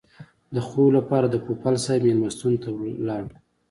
د خوب لپاره د پوپل صاحب مېلمستون ته لاړو.